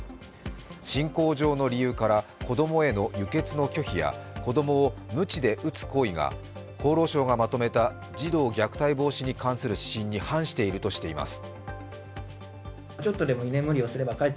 信仰上の理由から子供への輸血の拒否や子供をむちで打つ行為が厚労省がまとめた児童虐待防止に関する指針に反しているとしています。